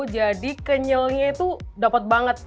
jadi kenyelnya itu dapat banget